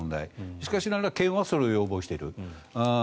しかしながら県はそれを要望している。